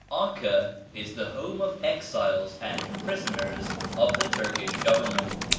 Acca is the home of exiles and prisoners of the Turkish Government.